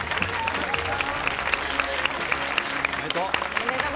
おめでとう。